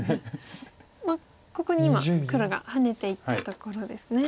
まあここに今黒がハネていったところですね。